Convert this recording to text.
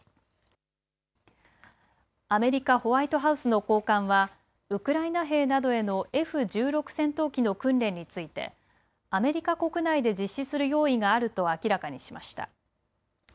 アメリカ・ホワイトハウスの高官はウクライナ兵などへのＦ１６戦闘機の訓練についてアメリカ国内で実施する用意があると明らかにしました。